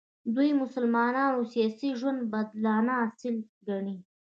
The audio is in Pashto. دوی د مسلمانانو سیاسي ژوند بدلانه اصل ګڼي.